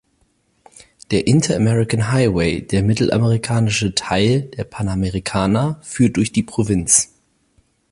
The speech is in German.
Der »Inter-American-Highway«, der mittelamerikanische Teil der Panamericana, führt durch die Provinz.